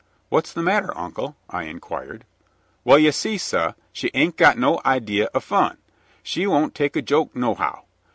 "'What's the matter, uncle?' I inquired. "'Well, you see, suh, she ain't got no idee o' fun she won't take a joke nohow.